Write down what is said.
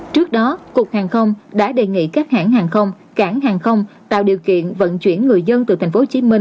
trước đó cục hàng không đã đề nghị các hãng hàng không cảng hàng không tạo điều kiện vận chuyển người dân từ tp hcm